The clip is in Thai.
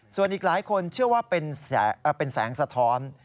ส่วนอีกหลายคนเชื่อว่าเป็นแสงสะท้อน